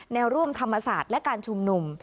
แนวร่วมธรรมศาสตร์และการชุมนุม